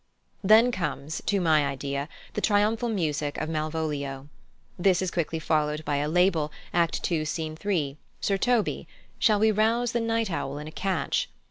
Then comes, to my idea, the triumphal music of Malvolio. This is quickly followed by a label, Act ii., Scene 3, Sir Toby, "Shall we rouse the night owl in a catch?"